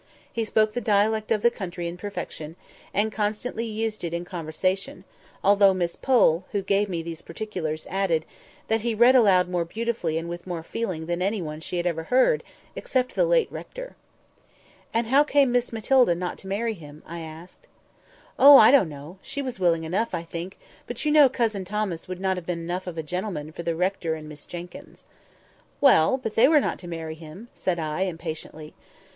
He spoke the dialect of the country in perfection, and constantly used it in conversation; although Miss Pole (who gave me these particulars) added, that he read aloud more beautifully and with more feeling than any one she had ever heard, except the late rector. "And how came Miss Matilda not to marry him?" asked I. "Oh, I don't know. She was willing enough, I think; but you know Cousin Thomas would not have been enough of a gentleman for the rector and Miss Jenkyns." "Well! but they were not to marry him," said I, impatiently.